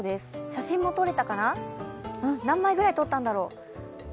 写真も撮れたかな、何枚ぐらい撮ったんだろう。